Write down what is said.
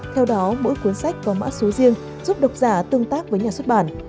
theo đó mỗi cuốn sách có mã số riêng giúp độc giả tương tác với nhà xuất bản